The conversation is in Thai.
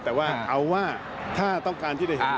แต่ว่าเอาว่าถ้าต้องการที่จะเห็น